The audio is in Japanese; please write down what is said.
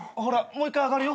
もう一回上がるよ。